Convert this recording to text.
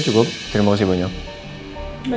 kalau begitu kami permisi dulu ya pak